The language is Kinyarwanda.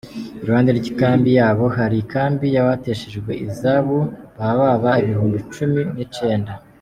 Iruhande y'ikambi yabo, hari ikambi y'abateshejwe izabo bababa ibihumbi cumi n'icenda.